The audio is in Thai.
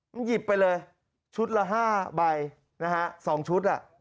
มันหยิบไปเลยชุดละ๕ใบนะฮะ๒ชุดอ่ะ